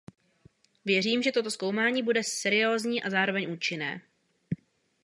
Věřím, že toto zkoumání bude seriózní a zároveň účinné.